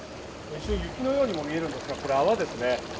雪のようにも見えますが、これ泡ですね。